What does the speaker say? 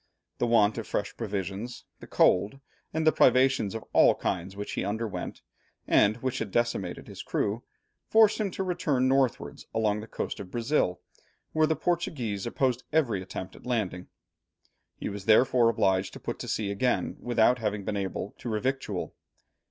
The want of fresh provisions, the cold, and the privations of all kinds which he underwent, and which had decimated his crew, forced him to return northwards along the coast of Brazil, where the Portuguese opposed every attempt at landing. He was therefore obliged to put to sea again without having been able to revictual.